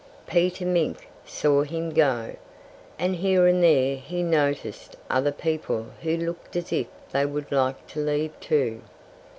Peter Mink saw him go. And here and there he noticed other people who looked as if they would like to leave, too.